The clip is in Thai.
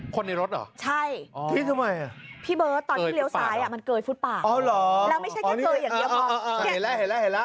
คนในรถเหรอพี่เบิร์ดตอนที่เลี้ยวซ้ายมันเกยฟุตปากแล้วไม่ใช่แค่เกยอย่างเดียว